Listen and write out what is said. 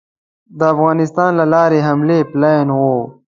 د افغانستان له لارې حملې پلان وو.